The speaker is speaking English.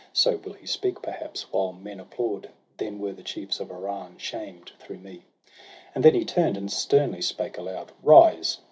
So will he speak, perhaps, while men applaud ; SOHRAB AND RUSTUM. 99 Then were the chiefs of Iran shamed through me.' And then he turn'd, and sternly spake aloud :—' Rise